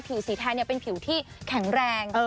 ผิวสีแทนเนี่ยเป็นผิวที่แข็งแรง